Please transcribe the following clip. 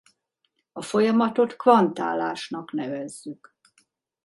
A folyamatot kvantálásnak nevezzük.